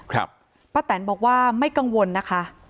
ป้าแตนบอกว่าไม่กังวลนะคะ